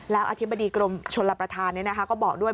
แล้วอธิบดีกรมชลประธานก็บอกด้วย